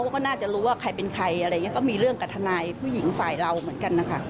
มีในเรื่องกับทนายผู้หญิงฝ่ายเราเหมือนกัน